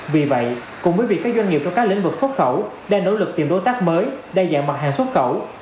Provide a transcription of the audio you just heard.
vì vậy cùng với việc các doanh nghiệp trong các lĩnh vực xuất khẩu đang nỗ lực tìm đối tác mới đa dạng mặt hàng xuất khẩu